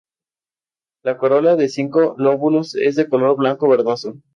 La corola de cinco lóbulos es de color blanco verdoso.